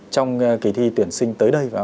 trong kỳ thi tuyển sinh tới đây